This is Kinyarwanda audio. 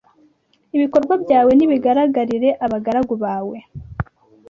ibikorwa byawe nibigaragarire abagaragu bawe